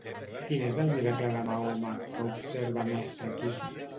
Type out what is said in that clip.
Quin és el miracle de Mahoma que observa Mestre Quissu?